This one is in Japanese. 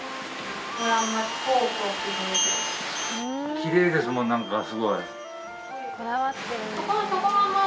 綺麗ですもんなんかすごい。